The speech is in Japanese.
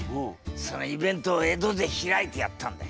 そのイベントを江戸で開いてやったんだよ。